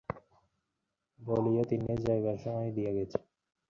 খেয়ালের বশে একটা গেলে মেয়েকে বিয়ে করে কেল জ্বলে মরবি আজীবন?